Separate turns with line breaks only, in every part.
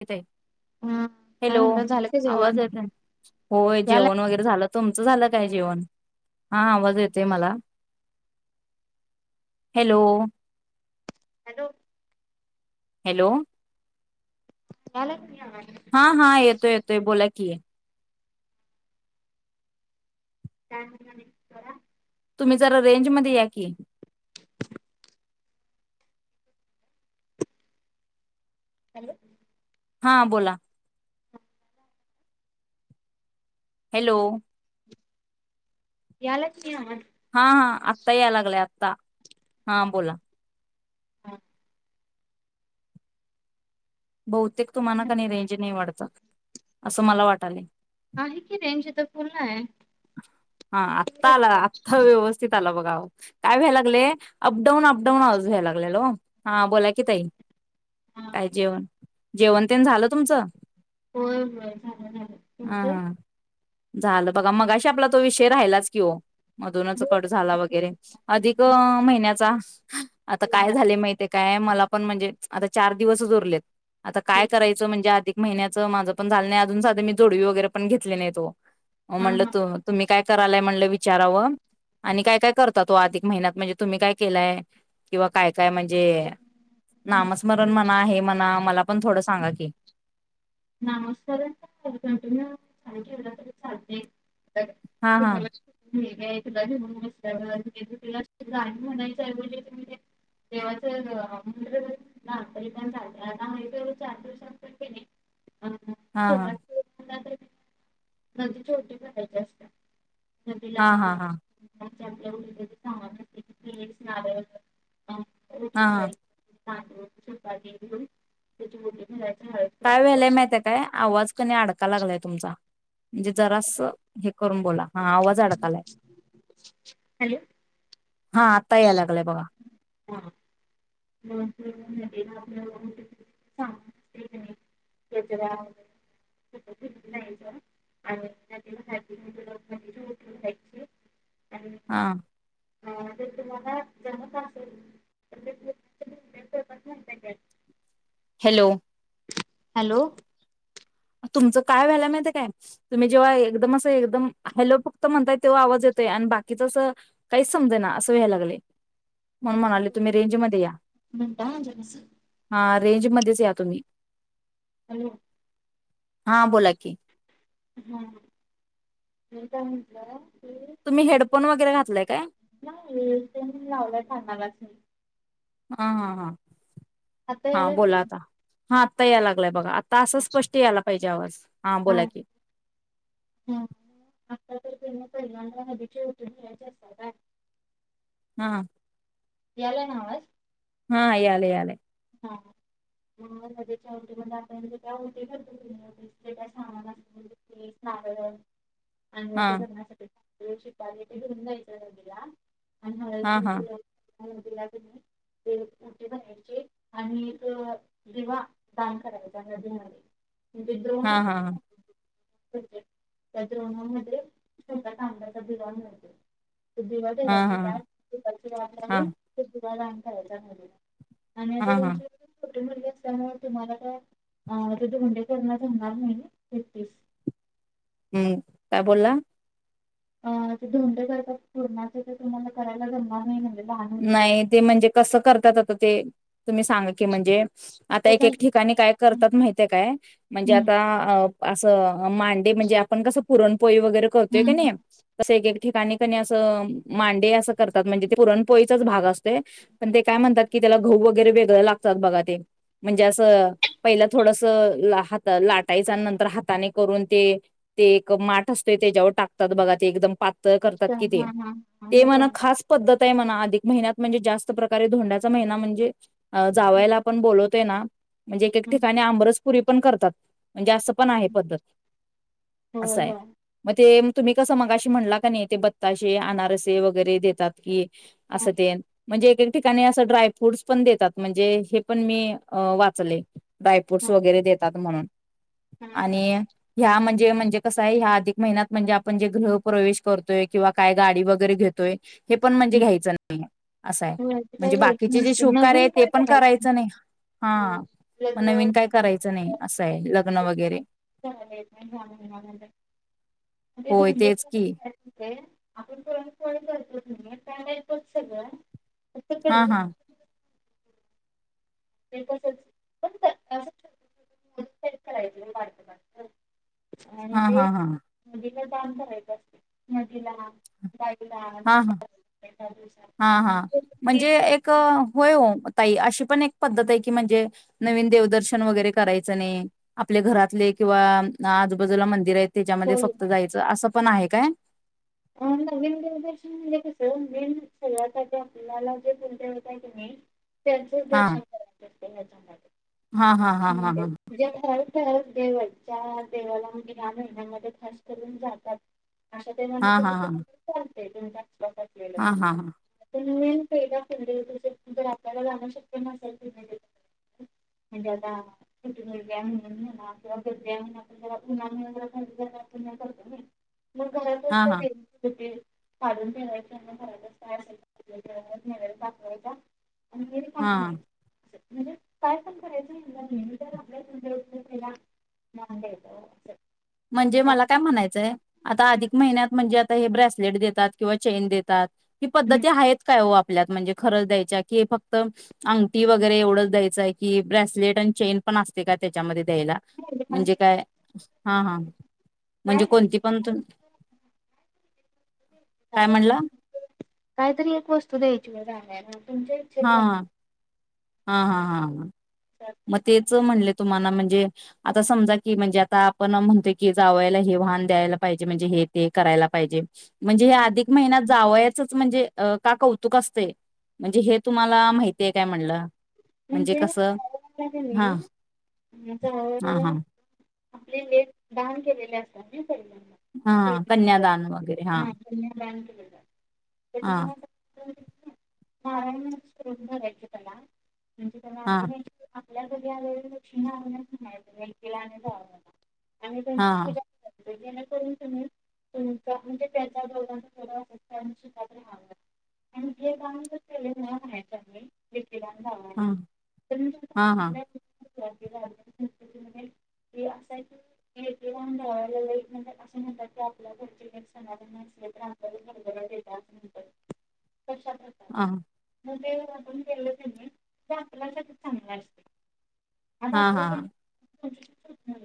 तेेत आहे
हम्म
[inaudible]
काय
हॅलो
म्हणतात झालं का
आवाज
जेवण
येत होय
याला
जेवण वगैरे झालं, तुमचं झालं काय जेवन, हा येते मला हॅलो
हॅलो
हॅलो
यालाय की नाही आवाज?
हा हा येतोय येतोय बोला की
काय म्हणला [inaudible] करा
तुम्ही जरा रेंज मध्ये या की
हॅलो
हा बोला हॅलो
यालय की नाही आवाज
हा हा आत्ता यायला लागलंय आता हा बोला बहुतेक तुम्हाला कानि रेंज नाही वाढत? असं मला वाटलंय,
आहे की रेज इथ फुल्ल आहे,
हा आत्ता आला आत्ता व्यवस्थित आला बघ काय व्हायला लागले अपडाऊन अपडाऊन व्यायला लागलेल हा बोला की तई काय जेवण जेवण तेण झालं तुमचं,
होय होय झालं झालं
हा
तुमचं,
हा, झालं बघा मगाशी ते आपला तो विषय राहिलाच कि हो. मधूनच
हो
कट झाला वगैरे अधिक महिन्याचा आता काय झाले माहितेय काय मला पण म्हंजे आता चार दिवसच उरलेत. आता काय करायचं म्हंजे आधिक महिन्यांचं माझं पण झालं नाही, अजून साध मी जोडवी वगैरे पण घेतले नाहीत वो. अ
हा
म्हणलं
हा
तुम्ही काय करालाय म्हणलं विचारावं आणि काय काय करता तो अधिक महिन्यात म्हंजे, तुम्ही काय केलाय किंवा काय? काय म्हंजे नामस्मरण म्हणा हे म्हणा मला पण थोडं सांगा की.
नामस्मरण का कंटिन्यूस केला तरी चालतंय. तर
हा हा
तुम्हाला तुला घेऊून बसल्यावर तुला गाण म्हणायच ऐवजी तुम्ही ते देवाचं हे म्हणल तरी, पण चालतंय हाय तेवढं चार दिवसात पण केल
हां हां.
नदी छोटी करायची असतें. नदीला
हा हा हा
हां
हा
ते आपल्या [unintelligible] हां ओटी
हा
भरायची. तांदूळ चपाती घेऊन त्याची ओटी भरायची हळद
काय
कुंकू
व्हायलाय माहिते
लावून
काय आवाज कनी अडका लागलाय तुमचा. म्हंजे जरास हे करून बोला. आवाज अडकालाय.
हॅलो
हा आत्ता याय लागलाय बघा.
[unintelligible] [unintelligible]
हा
[unintelligible] ह ते तुम्हाला जमत असेल [unintelligible]
हॅलो.
हॅलो.
तुमचं काय व्हायला माहिय काय तुम्ही, जेव्हा एकदम असं एकदम हॅलो फक्त म्हणताय तेव्हा आवाज येतोय आणि बाकीच असं काहीच समजे ना असं व्हय लागलेय. म्हणून म्हणाले तुम्ही रेंज मध्ये या.
मिनट हा जरासं
रेंज मध्येच या तुम्ही.
हॅलो.
हा बोला की
हम् हे काय म्हटलं की
तुम्ही हेडफोन वगैरे घातलाय का
नाही लावलाय कानाला
हा हा हा
आता
हा
याले
बोला आता हा आत्ता याय लागलाय बघा असं स्पष्ट यायला पाहिजे आवाज हा बोला की
हा आता तर पहिल्यांदा हदीचे उतून घ्यायचे असतात आहे
हम्
याला ना अवाज
हा यालय यलेय
ह मगच्या होट आप होटद्ल सामास नाग [unintelligible]
हा
आणि के [unintelligible] टयला [unintelligible] आणि हा
हां, हां.
बिकु [inaudible] दिला नाही ते रटी बनची [inaudible] आणि एक दिवा दान करायचा नदीमध्ये विद्रोहण
हां, हां.
त्या द्रोणामध्ये छोट्या कांद्याचा भिजाण मिळत सुुद्धी वे हो
हां, हां.
[unintelligible] ला
हां,
का जा [unintelligible] आणि आता
हां, हां.
तुमची मुलगी असल्यामुळे तुम्हाला का धोंडे करण्याच होणार नाहीतीस.
हम्म काय बोलला.
अ ते धोंडे करतात पूर्णाचे ते तुम्हाला करायला जमणार नाही. लहान मुलगी आहे.
नाही ते म्हणजे कसं करतात आता ते तुम्ही सांगा की म्हणजे आता एक
त्याच्या
एक ठिकाणी काय
हम्म
करतात माहिितय काय म्हणजे
हम्म
आता अ असं मांडे म्हणजे आपण कसं पुरण पोई वगैरे करतोय काी
हम्म.
नाही तस ठिकाणी अस मांडे अस करतात म्हणजे पुरण पोईचाच भाग असत पण ते काय म्हणतात की त्याला घउ वगैरे वेगळं लागतात बघा ते म्हणजे असं पहिला थोडसात लाटायचं आणि नंतर हाताने करून ते ते एक माठ असतो त्याच्यावर टाकतात बघा ते एकदम पा ते करतात
त्या-
की
हा
ते,
हा हा
ते
हे
म्हण
धोंडे.
खास पद ते म्हणा अधिक महिन्यात म्हणजे जास्त प्रकारे धोंड्याचा महिना म्हणजे
हम्म,
जावायला पण बोलवत ते ना म्हणजे एक एक
हम्म.
ठिकाणी आबरस पुरी पण करतात म्हणजे असं पण आहे पद्धत असं
होय
आहे
होय.
मग ते तुम्ही कसं मगाशी म्हणला का नाही ते बत्ताशे अनारसे वगैरे देतात की.
हम्म,
असं ते. म्हणजे एक एक ठिकाणी असं ड्राय फ्रूटस पण देतात म्हणजे हे पण मी वाचले. ड्रायफ्रूट्स
हम्म,
वगैरे देतात म्हणून
हम्म,
आणि
हम्म,
ह्या म्हणजे जे म्हणजे कसं आहे ह्या अधिक महिन्यात म्हणजे आपण जे गृह प्रवेश करतोय किंवा काय गाडी वगैरे घेतोय. हे पण म्हणजे
हम्म.
घ्यायचं ना असं आहे
होय ते काय
म्हणजे
घ्यायचं
बाकीचे जे
नसते
शुभ कार्य
नवीन
आहे ते
काय
पण करायचं नाही हा मग नवीन काय करायचं नाही असंय लग्न वगैरे.
झाले ह्या महिन्यामध्ये
होय तेच की
[unintelligible] [unintelligible]
हा हा
[unintelligible] [unintelligible] आणि
हा
ते.
हा हा
ते दान करायचं असते नदीलाान. बाय जा ब
हा हा
[unintelligible]
हा हा म्हणजे एक होय ओ. ताई अश पण एक पद्धत आहे, की म्हणजे नवीन देवदर्शन वगैरे करायचं नाही, आपले घरातले किंवाआ आजूबाजूला मंदिर आहेत. त्याच्यामध्ये फक्त जायचं असं पण आहे काय?
अ नवीन देवदर्शन म्हणजे कसं नवीन सरव आहे आपल्याला जे कुल देवता आहे तुम्ही त्यांचेच दर्शन करायचे त्यां ांग
हा हा हा हा हा
देव ज देवाला ह्या महिन्यामध्ये खास करून जातात अशा
हा हा हा
ते तुमचा
हा हा हा
प फि त जर आपल्याला जाणं शक्य नसेलि म्हणजे आता क मुलग्या म्हणून म्ह किवा ग्या म्ह आपण ज उन्हा करतो मग घरात
हा
त
हा
तुटेल. काढून ठेवायचे. आणि हे रिकामं
हा.
करायचं म्हणजे काय पण करायचं म्हणला कणी तर, आपल्या इथ जे येतात पहिला त्याला मान द्यायचा ओ.
म्हणजे मला काय म्हणायचंय आता अधिक महिन्यात? म्हणजे आता हे ब्रेसलेट देतात किंवा चेन देतात. ही पद्धती हाएत काय हो आप? आपल्यात म्हणजे खरंच द्यायच्या, की फक्त अंगठी वगैरे एवढंच द्यायचंय की ब्रेसलेट आणि चेन पण असतय का त्याच्यामध्ये द्यायला म्हणजे काय? हा म्हणजे
काहीतरी
कोणती पण तुम्ही? म्हणला
काय तरी एक वस्तू द्यायची. तुझ झालंय ना. तुमच्या इछे
हा हा
प्रमाणे.
हा हा हा. म तेच म्हणलेत तुम्हाला म्हणजे आता समजा, की म्हणजे आता आपण म्हणतोय, की जावायला हे व्हान द्यायला पाहिजे म्हणजे हे ते करायला पाहिजे. म्हणजे हे अधिक महिन्यात जावयाचच म्हणजे का कौतुक असतय, म्हणजे हे तुम्हाला माहितीय काय म्हणलं. म्हणजे कसं?
कस
हा
व्हईल,
हा
जावया
हा
आपली लेक दान केलेली असत्या नी
हा कन्यादान वगेरे हा
कन्यादान केलेलं
हा.
त्याच्यामुळे नारायण म्हणून [unintelligible] धरायचं त्याला म्हणजे त्याना
हा
आपनच आप मुलांचं बी आणि दक्षिणा आणि लेकीला आणि जावयाला आणि
हा
त्यांची पूजा करायची. जेणेकरून त्यानी त्यांच्या म्हंजे त्यांच्या दोघांनी सुखात राहावं, आणि जे काय केलेलं हाय कणी लेकीला आणि जावयाला
हम् हा हा.
हे अस हाय की हेच दान जावायाला, लई म्हजे असं म्हणतात, की आपल्या घरचे जर समाधानी असेल तर, आपल्याला भरभराट येतिया अस म्हणत्यात.
हां.
पण ते आपण केलं कणी ते आपल्यासाठी चांगलं असतय. आता
हा हा
आपल्याकड [unintelligible]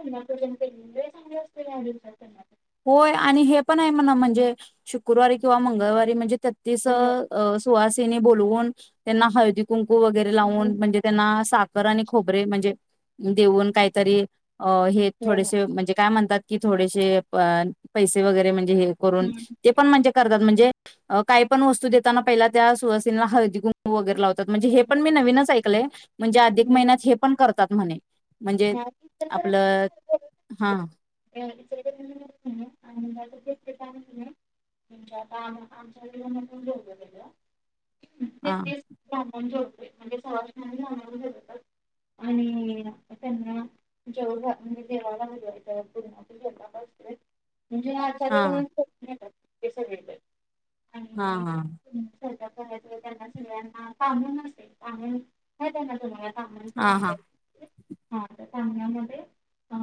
लई चांगल आसतय [unintelligible]
होय आणि हे पण हाय म्हण म्हणजे शुक्रवारी किंवा मंगळवारी म्हणजे तत्तीस अं सुहा तेनी बोलवून त्यांना हळदी, कुं कु वगैरे लावून म्हणजे त्यांना सा खर आणि खोबरे म्हणजे देऊन काहीतरी अ हे थोडेसे म्हणजे काय म्हणतात? कि थोडेसे पैसे वगैरे म्हण जे करून ते पण म्हणजे करतात म्हणजे काही पण वस्तू देताना पहिला त्या सुवासिनीला हळदी, कुंकू वगैरे लावतात म्हणजे हे पण मी नवीनच ऐकलंय म्हणजे अधिक महिन्यात हे पण कर करतात म्हणे. म्हणजे आपलं हा.
[inaudible] तेच
हा
ते सांगून [inaudible] म्हणजे सुवासिनी [inaudible] आणि त्यांना जेवन म्हणजे देवाला पूर्ण जेवढा असतोय म्हणजे आचारी
हा
कडून करून घेतात. हे सगळे [unintelligible]
हा हा.
स्वयंपाक त्यांना सगळ्यांना काून न काून त्यांना
हा हा
तुम्हाला. [inaudible] अ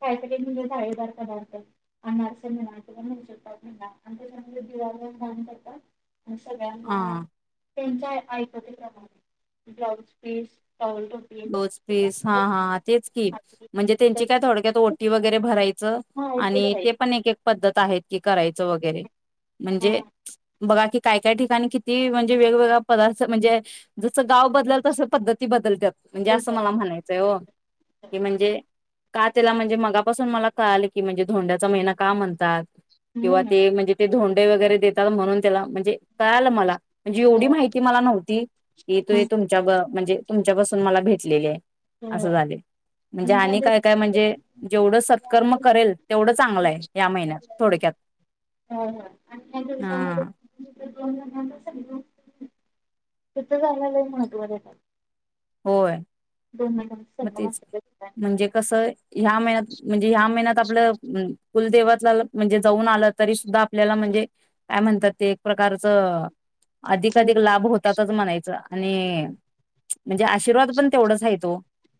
काहीतरी म्हणजे जाळेदार पदार्थ अनारस म्हणा, किंवा मैसूर पाक म्हणा पण म्हणजे त्याच्या दिवा दान करतात.
हा
सगळ्यांना त्यांच ऐपती प्रमाणे ब्लाऊज पीस, टॉवेल टोपी
ब्लाऊज पीस हा हा तेच की
भाकरी,
म्हणजे त्यांची काय थोडक्यात ओ
दक्षिणा
टी वगैरे भराय च.. आणि ते पण एक एक पद्धत आहेत ती कराय च वगैरे म्हणजेच बघा की काय काय ठिकाणी किती म्हणजे वेगवेगळा पदार्थ म्हणजे जसं गाव बदलल तसं पद्धती बदलत्यात. म्हणजे असं
बदल
मला म्हणायचंय ओ कि म्हणजे का त्याला म्हणजे मगापासून मला कळालं की म्हणजे धोंड्याचा महिना का म्हणतात? किंवा
हम्म
ते म्हणजे ते धोंड डे वगैरे देतात म्हणून त्याला म्हणजे कळालं मला म्हणजे एवढी माहिती मला नव्हती येतोय
हम्म.
तुमच्या म्हणजे तुमच्या पासु पण मला भेटलेले आहे.
होय
असं झालय म्हणजे
ह्या
आणि काय काय
दिवसामध्ये
म्हणजे जेवढं सत्कर्म करेल तेवढं चांगलं आहे या महिन्यात थोडक्यात
होय
हा.
म्हणून तरी सगळीजन त्या याला लई महत्व देतात
होय.
दोन महिलांचा
मग
संगम
तेच की
असलेल्या ठिकाणी
म्हणजे कस ह्या महिन्यात म्हणजे ह्या महिन्यात आपलं कुलदेवातला म्हणजे जाऊन आलं तरी सुद्धा आपल्याला म्हणजे काय म्हणतात ते एक प्रकारचं अधिकाअधिक लाभ होतातच म्हणायच आणि म्हणजे आशीर्वाद पण तेवढाच आहे तो.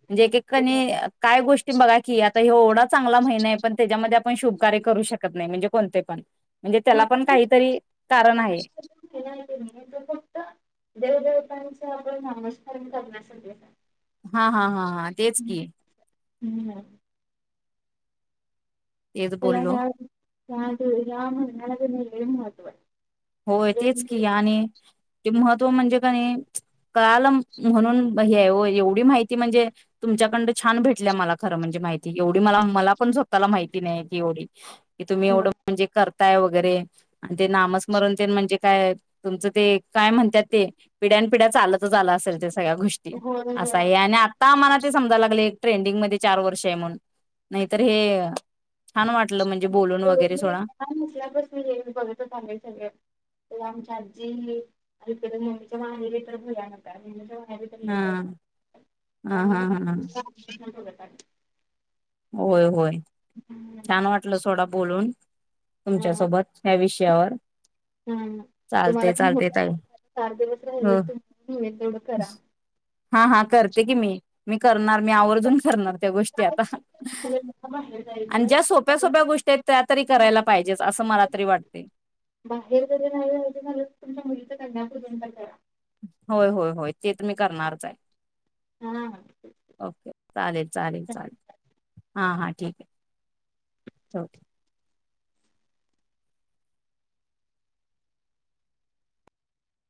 म्हणजे एक एक कणी काय गोष्टी बघा की यात तर ह्यो एवढा चांगला महिना आहे पण त्याच्यामध्ये आपण शुभ कार्य करू शकत नाही म्हणजे कोणते पण म्हणजे त्याला पण काहीतरी कारण आहे
[unintelligible] [unintelligible]
हा हा हा हा तेच की.
[unintelligible]
एक
त्याला
बोलो
ह्या [unintelligible]
हो तेच की आणि महत्त्व म्हणजे काणी कळाला म्हणून हे एवढी माहिती म्हणजे तुमच्याकडन छान भेटल्या मला खरं म्हणजे माहिती एवढी मला मला पण स्वतःला माहिती नाही एवढी तुम्ही एवढं म्हणजे कर ता वगैरे ते नाम मरून तेन म्हणजे काय तुमचं ते काय म्हणतात ते पिढ्यान पिढ्या चालत आलं असेल ते सगळ्या गोष्टी
होय
असा
होय
आहे आणि आता आ मला ते समजायला लागले ट्रेंडिंग मध्ये चार वर्ष आहे म्हण नाहीतर हे छान
[unintelligible]
वाटलं म्हणजे बोलून
सगळ
वगैरे सोडा
तर आमच्या आजी अकडे मममीच माहिली तर भुला नका
हा हा हा हा
[unintelligible] [unintelligible]
होय होय. छान वाटलं सोडा बोलून.
हम
तुमच्यासोबत या विषयावर
हम तुम्हाला
चालते चालते ताई
चार दिवस राहिले तुम तेवढं करा
हा हा करते की मी मी करणार मी आवर्जून करणार त्या गोष्टी आता
बाहेर
आणि
जायचं
ज्या सोप्या सोप्या गोष्टी आहेत त्यातरी करायला पाहिजेच असं मला वाटते
बाहेर जर राला झा तुमच्या मुलीच कन्यापून का करा
होय होय होय ते तर मी करणारच आहे
हम्
ओके चालेल चालेल चालेल हा हा ठीक आहे होक